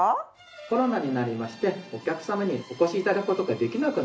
コロナになりましてお客様にお越し頂く事ができなくなりました。